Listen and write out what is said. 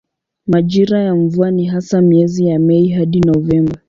Majira ya mvua ni hasa miezi ya Mei hadi Novemba.